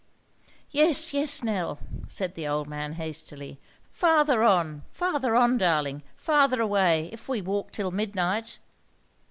"Yes, yes, Nell," said the old man hastily. "Farther on, farther on, darling; farther away, if we walk till midnight."